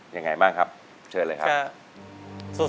ยังไงบ้างครับเชิญเลยครับ